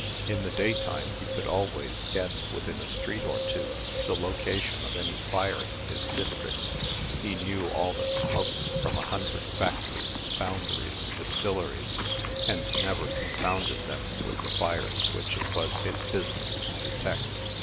In the daytime, he could always guess, within a street or two, the location of any fire in his district. He knew all the smokes from a hundred factories, foundries, distilleries, and never confounded them with the fires which it was his business to detect.